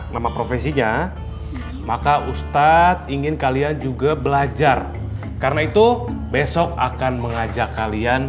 nama profesinya maka ustadz ingin kalian juga belajar karena itu besok akan mengajak kalian